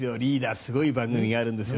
すごい番組があるんですよ。